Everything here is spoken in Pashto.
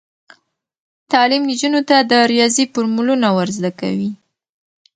تعلیم نجونو ته د ریاضي فورمولونه ور زده کوي.